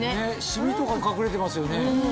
シミとか隠れてますよね。